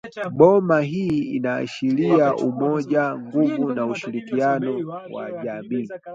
Boma hii inaashiria umoja, nguvu na ushirikiano wa jamii